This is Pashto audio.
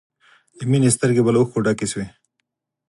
د مینې سترګې به له اوښکو ډکې شوې